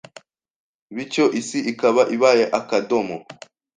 bityo isi ikaba ibaye akadomo